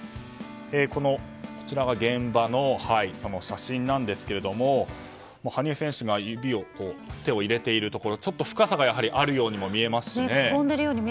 現場のその写真なんですが羽生選手が手を入れているところちょっと深さがあるようにも見えますしね。